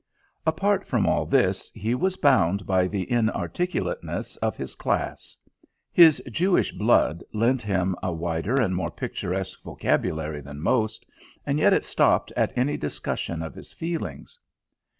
Apart from all this, he was bound by the inarticulateness of his class. His Jewish blood lent him a wider and more picturesque vocabulary than most, and yet it stopped at any discussion of his feelings.